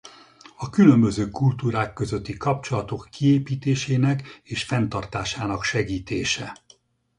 A különböző kultúrák közötti kapcsolatok kiépítésének és fenntartásának segítése.